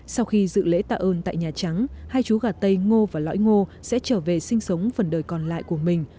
sau khi dự lễ tạ ơn tại nhà trắng hai chú gà tây ngô và lõi ngô sẽ trở về sinh sống phần đời còn lại của mình